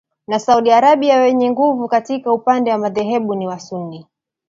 na Saudi Arabia yenye nguvu katika upande madhehebu ya wasunni